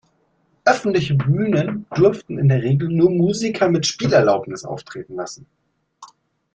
Öffentliche Bühnen durften in der Regel nur Musiker mit Spielerlaubnis auftreten lassen.